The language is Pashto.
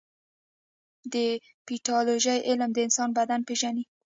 د پیتالوژي علم د انسان بدن پېژني.